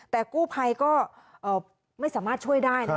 แต่กู้ภัยก็ไม่สามารถช่วยได้นะคะ